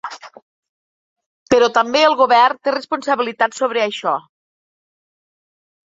Però també el govern té responsabilitats sobre això.